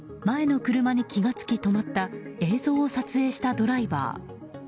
前の車に気が付き止まった映像を撮影したドライバー。